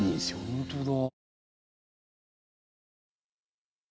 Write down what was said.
本当だ。